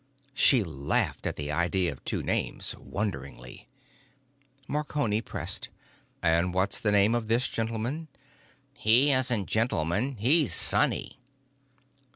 She laughed at the idea of two names, wonderingly. Marconi pressed, "And what's the name of this gentleman?" "He isn't Gentleman. He's Sonny."